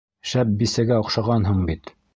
Шәп бисәгә оҡшағанһың бит.